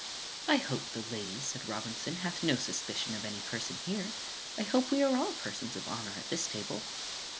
"I hope the lady," said Robinson, "hath no suspicion of any person here. I hope we are all persons of honour at this table."